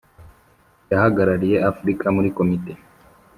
yahagarariye Afurika muri Komite